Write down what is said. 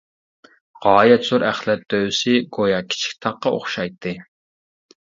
غايەت زور ئەخلەت دۆۋىسى گويا كىچىك تاغقا ئوخشايتتى.